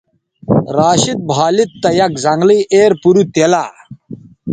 راشد بھالید تہ یک زنگلئ ایر پَرُو تیلہ